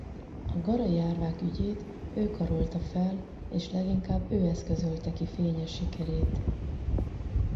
A Garay-árvák ügyét ő karolta fel és leginkább ő eszközölte ki fényes sikerét.